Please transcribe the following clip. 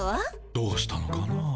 どうしたのかな？